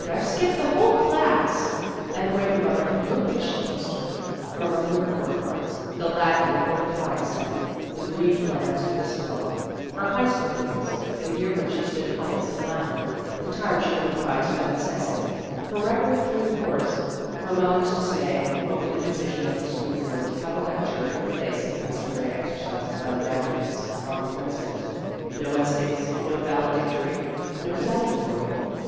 I Ve skipped the whole class !" 122 Vassar Studies and the way her mother had looked as she kissed her ; her monthly report cards the lagging or the flying step, the grieved glance or the smile ; her high school days, the year when she stood highest in Latin, the time she won the prize for the best essay, her record through the course ; her mother's dismay over the decision of the school board to have a lecture in place of the customary exercises by the graduates on Commence ment no essays, no valedictory, no salutatory.